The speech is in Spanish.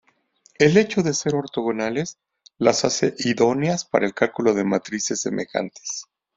El hecho de ser ortogonales las hace idóneas para el cálculo de matrices semejantes.